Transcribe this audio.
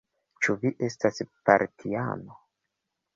Ĉu vi estas partiano?